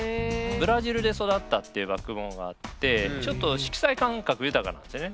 ブラジルで育ったっていうバックボーンがあってちょっと色彩感覚豊かなんですよね。